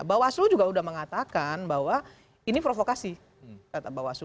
bawaslu juga sudah mengatakan bahwa ini provokasi kata bawaslu